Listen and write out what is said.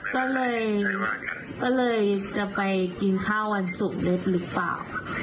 ก็เลยจะไปกินข้าววันศุกร์ด้วยหรือเปล่า